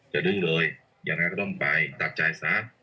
จะดึงเลยอย่างไรก็ต้องไปตัดใจซะ